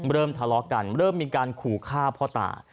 เริ่มทะเลาะกันเริ่มมีการขู่ฆ่าพ่อตา